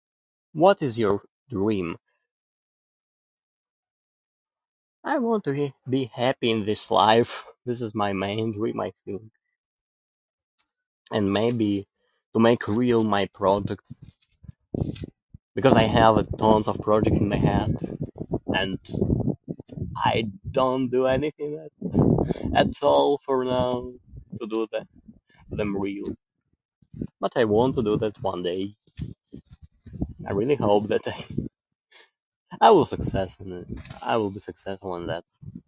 What is your dream? I want to be be happy in this life. This is my main rea- my thing. And maybe to make real my projects. Because I have tons of projects in head, and I don't do anything else at all for now to do that, them real. But I want to do that one day. I really hope that I, I will successful, I will be successful in that.